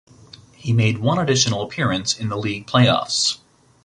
He made one additional appearance in the league playoffs.